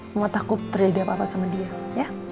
rumah takut terjadi apa apa sama dia ya